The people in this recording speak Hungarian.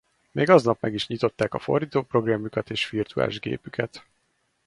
Még aznap meg is nyitották a fordító programjukat és virtuális gépüket.